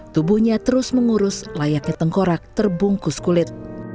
tubuhnya terus mengurus layaknya tengkorak terbungkus kulit